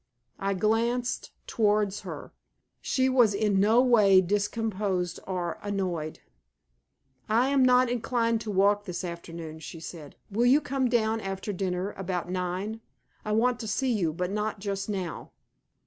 I glanced towards her. She was in no way discomposed or annoyed. "I am not inclined to walk this afternoon," she said. "Will you come down after dinner, about nine? I want to see you, but not just now."